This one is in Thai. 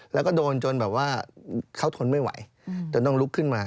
แล้วก็โดนจนแบบว่าเขาทนไม่ไหวจนต้องลุกขึ้นมา